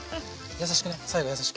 優しくね最後優しく。